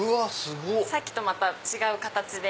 さっきとまた違う形で。